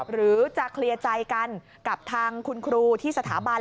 หรือจะเคลียร์ใจกันกับทางคุณครูที่สถาบัน